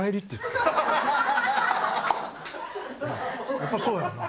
やっぱそうやんな？